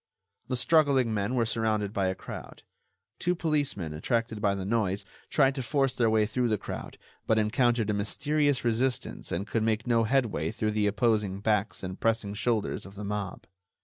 The struggling men were surrounded by a crowd. Two policemen, attracted by the noise, tried to force their way through the crowd, but encountered a mysterious resistance and could make no headway through the opposing backs and pressing shoulders of the mob.